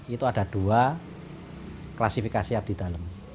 itu ada dua klasifikasi abdi dalam